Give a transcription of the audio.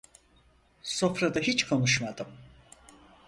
Sofrada hiç konuşmadım.